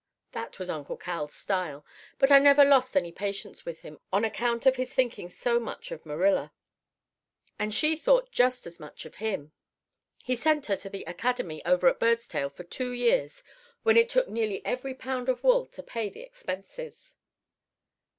"That was Uncle Cal's style. But I never lost any patience with him, on account of his thinking so much of Marilla. And she thought just as much of him. He sent her to the academy over at Birdstail for two years when it took nearly every pound of wool to pay the expenses.